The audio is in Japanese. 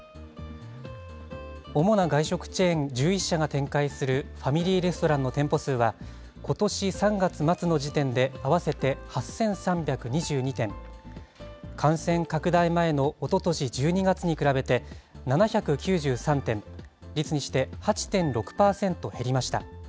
主な外食チェーン１１社が展開するファミリーレストランの店舗数はことし３月末の時点で、合わせて８３２２店、感染拡大前のおととし１２月に比べて、７９３店、率にして８．６％減りました。